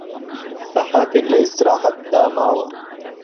سهحاتێک له ئيستيڕاحەت دا ماوه